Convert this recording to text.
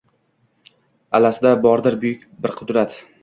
Allasida bordir buyuk bir qudrat: